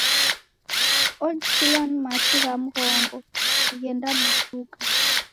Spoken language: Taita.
Odikilwa ni machi gha mghongo ghendabuchuka.